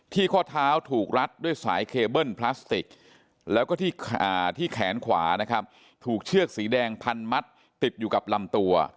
ข้อเท้าถูกรัดด้วยสายเคเบิ้ลพลาสติกแล้วก็ที่แขนขวานะครับถูกเชือกสีแดงพันมัดติดอยู่กับลำตัว